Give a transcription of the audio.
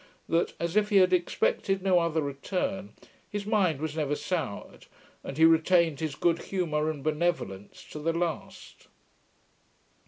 POPE.] that, as if he had expected no other return, his mind was never soured, and he retained his good humour and benevolence to the last.